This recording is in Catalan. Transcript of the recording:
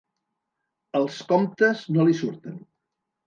Els comptes no li surten.